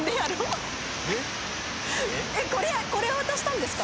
えこれ渡したんですか！？